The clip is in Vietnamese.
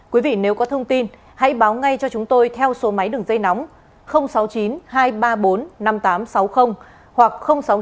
quý vị nếu có thông tin hãy báo ngay cho chúng tôi theo số máy đường dây nóng sáu mươi chín hai trăm ba mươi bốn năm nghìn tám trăm sáu mươi hoặc sáu mươi chín hai trăm ba mươi hai một nghìn sáu trăm sáu mươi